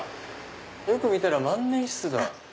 よく見たら万年筆だ。